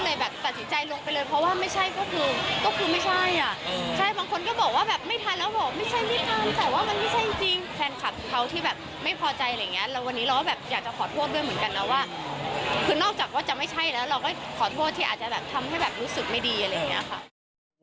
คือนอกจากว่าจะไม่ใช่เราก็ขอโทษอาจจะจะแบบทำให้แบบรู้สึกไม่ดีอะไรอย่างเงี้ยค่ะ